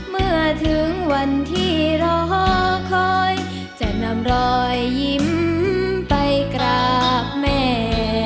เมื่อถึงวันที่รอคอยจะนำรอยยิ้มไปกราบแม่